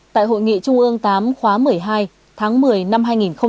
tại hội nghị trung ương viii khóa một mươi hai tháng một mươi năm hai nghìn một mươi tám